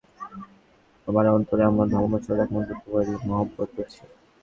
আমার অন্তরে আমার ধর্ম ছাড়া একমাত্র তোমার মহব্বত রয়েছে।